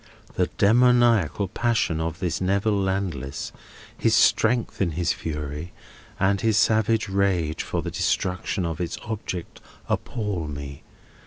The demoniacal passion of this Neville Landless, his strength in his fury, and his savage rage for the destruction of its object, appal me.